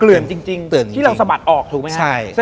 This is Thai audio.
เหลือนจริงที่เราสะบัดออกถูกไหมครับ